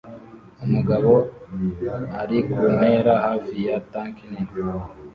Umugabo ari ku ntera hafi ya tanki nini